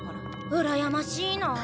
うらやましいなあ。